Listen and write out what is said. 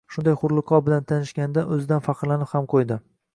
Shunday hurliqo bilan tanishganidan o`zidan faxrlanib ham qo`ydi